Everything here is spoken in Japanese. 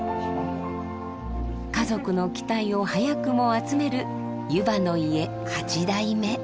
家族の期待を早くも集める湯波の家八代目。